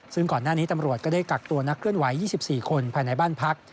ซึ่งก่อนหน้านี้ตำรวจก็ได้กักตัวนักเคลื่อนไหว๒๔คนภายในบ้านพัก